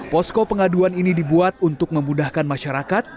posko pengaduan ini dibuat untuk memudahkan masyarakat